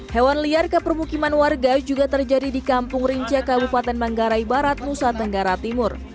hewan liar ke permukiman warga juga terjadi di kampung rinca kabupaten manggarai barat nusa tenggara timur